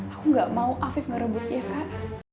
aku gak mau afif ngerebutnya kak